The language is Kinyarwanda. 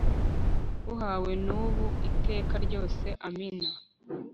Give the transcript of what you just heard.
bubahwe n'ubu n'iteka ryose. amina